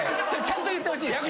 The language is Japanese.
ちゃんと言ってほしいです。